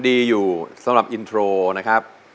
ดีอยู่สำหรับอินโทรนะครับ